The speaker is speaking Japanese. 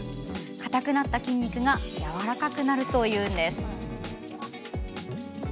硬くなった筋肉がやわらかくなるというんです。